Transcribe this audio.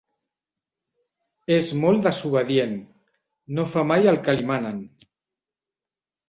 És molt desobedient: no fa mai el que li manen.